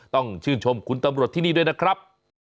ต้องชื่นชมคุณตำรวจที่นี่ด้วยนะครับ